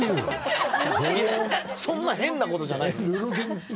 そんな変なことじゃないっすよ。